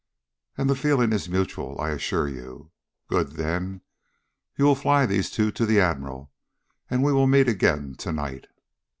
"And the feeling is mutual, I assure you. Good, then. You will fly these two to the Admiral, and we will meet again tonight.